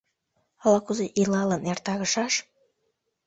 Ала-кузе илалын эртарышаш?